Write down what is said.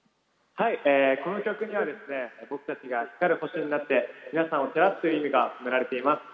この曲には僕たちが光る星になって皆さんを照らすという意味が込められています。